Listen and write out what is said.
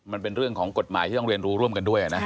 มันเป็นเรื่องของกฎหมายที่ต้องเรียนรู้ร่วมกันด้วยนะ